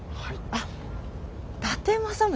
あっ伊達政宗